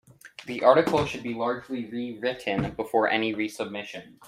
The article should be largely rewritten before any resubmission.